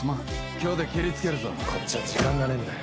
今日でケリつけるぞこっちは時間がねえんだよ。